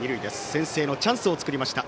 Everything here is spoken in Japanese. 先制のチャンスを作りました